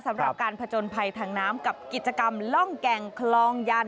สำหรับการผจญภัยทางน้ำกับกิจกรรมล่องแก่งคลองยัน